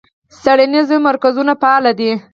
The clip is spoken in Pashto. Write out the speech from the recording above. څیړنیز مرکزونه فعال دي.